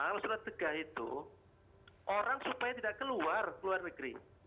kalau surat tegah itu orang supaya tidak keluar keluar negeri